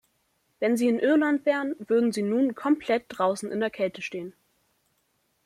Wenn Sie in Irland wären, würden Sie nun komplett draußen in der Kälte stehen.